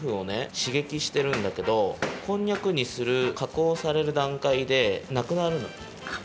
しげきしてるんだけどこんにゃくにするかこうされるだんかいでなくなるの。